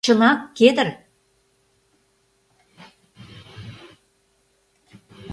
Чынак, кедр!